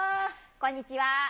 こんにちは。